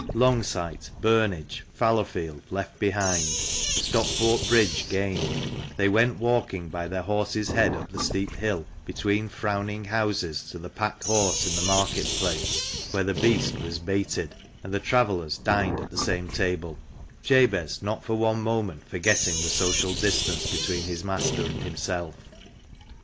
Longsight, Burnage, Fallowfield left behind ; Stockport Bridge gained, they went walking by their horse's head up the steep hill, between frowning houses, to the " Pack Horse " in the Market Place, where the beast was baited, and the travellers dined at the same table, Jabez not for one moment forgetting the social distance between his master and himself.